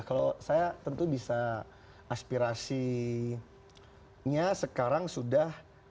kalau saya tentu bisa aspirasinya sekarang sudah